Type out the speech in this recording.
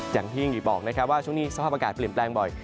อย่างที่บอกนะครับว่าช่วงนี้สภาพอากาศเปลี่ยนแปลงบ่อย